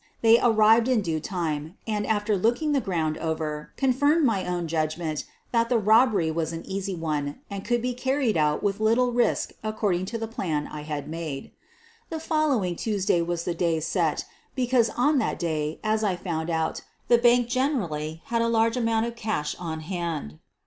They arrived in due time and, after looking the ground over, confirmed my own judgment that the robbery was an easy one and could be carried out with littlo risk according to the plan I had made. The following Tuesday was the day set, because on that day, as I had found out, the bank generally had a large amount of cash on hand.